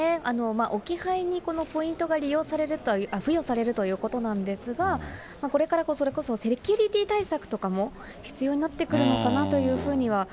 置き配にこのポイントが付与されるということなんですが、これからそれこそセキュリティー対策とかも必要になってくるのか